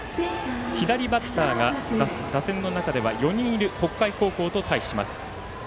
左バッターが打線の中では４人いる北海高校と対します。